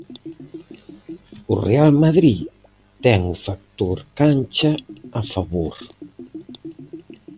O Real Madrid ten o factor cancha a favor.